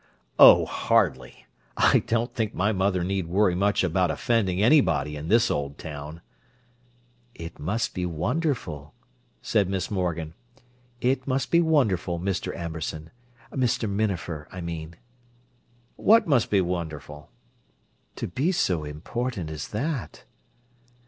"Oh, hardly! I don't think my mother need worry much about offending anybody in this old town." "It must be wonderful," said Miss Morgan. "It must be wonderful, Mr. Amberson—Mr. Minafer, I mean." "What must be wonderful?" "To be so important as that!"